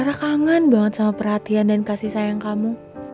karena kangen banget sama perhatian dan kasih sayang kamu